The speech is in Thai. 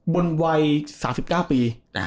บนวัย๓๙ปี